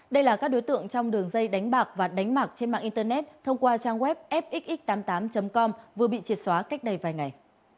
đây là các đối tượng trong đường dây đánh bạc và đánh bạc trên mạng internet thông qua trang web fxx tám mươi tám com vừa bị triệt xóa cách đây vài ngày